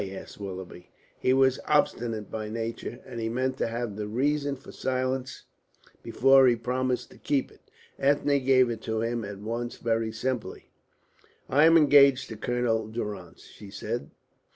asked Willoughby. He was obstinate by nature, and he meant to have the reason for silence before he promised to keep it. Ethne gave it to him at once very simply. "I am engaged to Colonel Durrance," she said.